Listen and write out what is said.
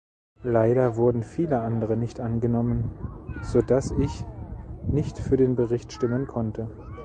Leider wurden viele andere nicht angenommen, sodass ich nicht für den Bericht stimmen konnte.